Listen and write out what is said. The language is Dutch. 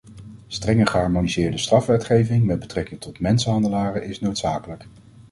Strenge geharmoniseerde strafwetgeving met betrekking tot mensenhandelaren is noodzakelijk.